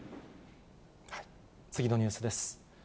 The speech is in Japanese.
次のニュースです。